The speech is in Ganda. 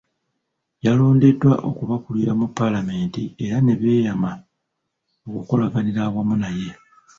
Yalondeddwa okubakulira mu Paalamenti era ne beeyama okukolaganira awamu naye.